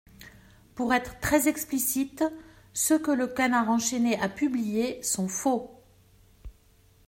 Pour être très explicite, ceux que Le Canard enchaîné a publiés sont faux.